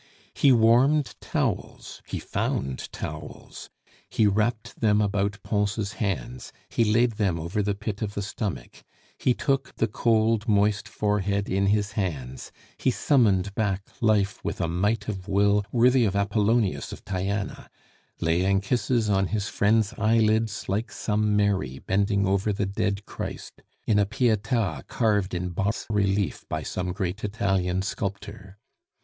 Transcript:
He warmed towels (he found towels!), he wrapped them about Pons' hands, he laid them over the pit of the stomach; he took the cold, moist forehead in his hands, he summoned back life with a might of will worthy of Apollonius of Tyana, laying kisses on his friend's eyelids like some Mary bending over the dead Christ, in a pieta carved in bas relief by some great Italian sculptor.